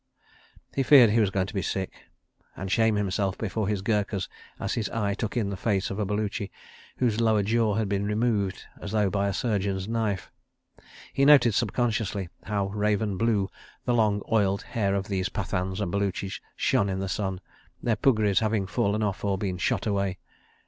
... He feared he was going to be sick, and shame himself before his Gurkhas as his eye took in the face of a Baluchi whose lower jaw had been removed as though by a surgeon's knife. He noted subconsciously how raven blue the long oiled hair of these Pathans and Baluchis shone in the sun, their puggris having fallen off or been shot away.